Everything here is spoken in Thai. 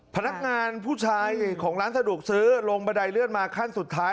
พนักงานผู้ชายของร้านสะดวกซื้อลงบันไดเลื่อนมาขั้นสุดท้าย